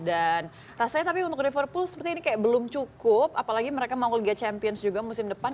dan rasanya tapi untuk liverpool seperti ini kayak belum cukup apalagi mereka mau ke liga champions juga musim depan